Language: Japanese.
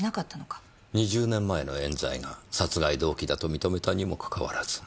２０年前の冤罪が殺害動機だと認めたにもかかわらず。